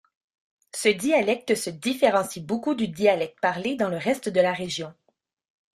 Ce dialecte se différencie beaucoup du dialecte parlé dans le reste de la région.